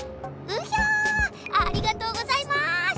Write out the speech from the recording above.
うひゃありがとうございます！